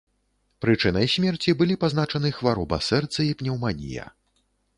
Прычынай смерці былі пазначаны хвароба сэрца і пнеўманія.